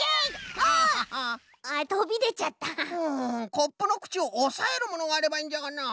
コップのくちをおさえるものがあればいいんじゃがなあ。